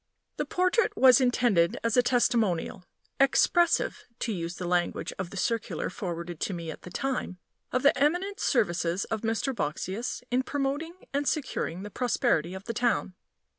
The portrait was intended as a testimonial "expressive (to use the language of the circular forwarded to me at the time) of the eminent services of Mr. Boxsious in promoting and securing the prosperity of the town."